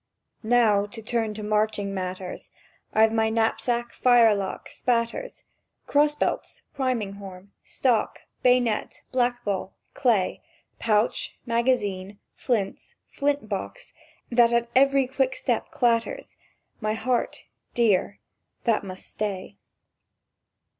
"Now, to turn to marching matters:— I've my knapsack, firelock, spatters, Crossbelts, priming horn, stock, bay'net, blackball, clay, Pouch, magazine, flints, flint box that at every quick step clatters; ... My heart, Dear; that must stay!"